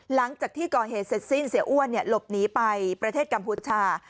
หลังจากที่ก่อเหตุเสร็จสิ้นเสียอ้วนหลบหนีไปประเทศกัมพูชา